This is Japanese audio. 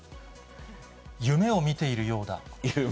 夢を見ているようだ。